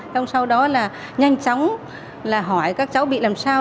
xong sau đó là nhanh chóng là hỏi các cháu bị làm sao